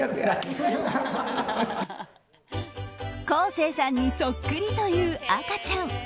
昴生さんにそっくりという赤ちゃん。